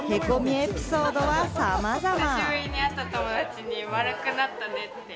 エピソードはさまざま。